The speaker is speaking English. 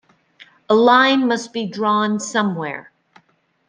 A line must be drawn somewhere.